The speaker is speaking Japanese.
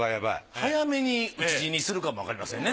早めに討ち死にするかもわかりませんね。